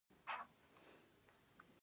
دوی د تولید د زیاتوالي لپاره ګډ کار کوي.